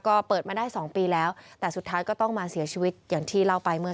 ก็เปิดไปมาได้๒ปีแล้ว